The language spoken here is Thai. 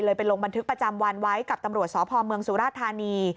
ไปลงบันทึกประจำวันไว้กับตำรวจสพเมืองสุราธานี